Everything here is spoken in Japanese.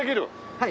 はい。